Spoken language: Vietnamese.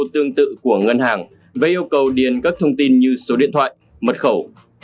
đường tự của ngân hàng với yêu cầu điền các thông tin như số điện thoại mật khẩu